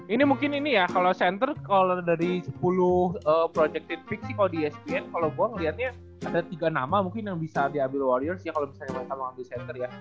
ini mungkin ini ya kalo center kalau dari sepuluh projected pick sih kalo di espn kalo gua ngeliatnya ada tiga nama mungkin yang bisa diambil warriors ya kalo misalnya mereka mau ambil center ya